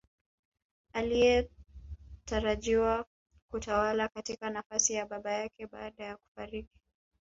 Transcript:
Aliyetarajiwa kutawala katika nafasi ya baba yake baada ya kufariki